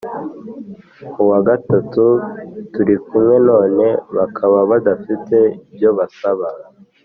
Uwa gatatu turi kumwe none bakaba badafite ibyo basaba